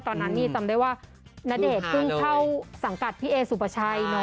ตอนนั้นนี่จำได้ว่าณเดชน์เพิ่งเข้าสังกัดพี่เอสุปชัย